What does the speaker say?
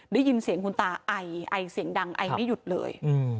ได้ยินเสียงคุณตาไอไอเสียงดังไอไม่หยุดเลย